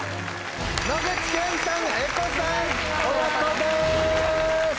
野口健さん絵子さん親子です！